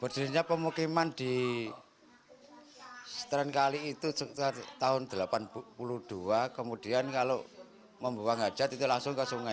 berdirinya pemukiman di stren kali itu sekitar tahun seribu sembilan ratus delapan puluh dua kemudian kalau membuang hajat itu langsung ke sungai